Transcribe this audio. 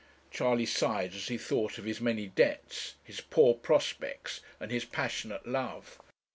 Charley sighed as he thought of his many debts, his poor prospects, and his passionate love.